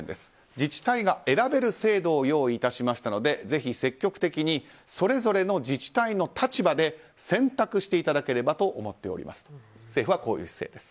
自治体が選べる制度を用意致しましたのでぜひ積極的にそれぞれの自治体の立場で選択していただければと思っておりますと政府はこういう姿勢です。